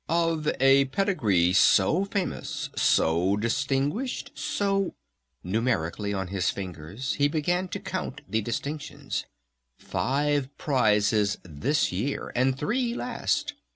"Of a pedigree so famous ... so distinguished ... so ..." Numerically on his fingers he began to count the distinctions. "Five prizes this year! And three last!